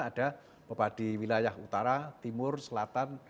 ada pepadi wilayah utara timur selatan